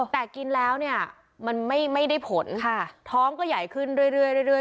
แต่กินแล้วเนี่ยมันไม่ได้ผลค่ะท้องก็ใหญ่ขึ้นเรื่อย